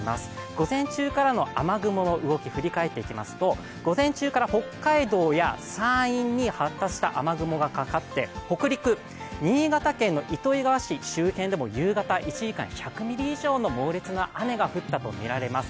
午前中からの雨雲の動き振り返っていきますと、午前中から北海道や山陰に発達した雨雲がかかって北陸、新潟県の糸魚川市周辺でも夕方１時間１００ミリ以上の猛烈な雨が降ったところもあります。